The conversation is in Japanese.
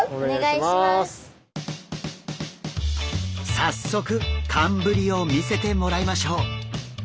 早速寒ぶりを見せてもらいましょう。